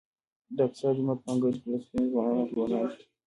د اقصی جومات په انګړ کې لسګونه ځوانان انډیوالان دي.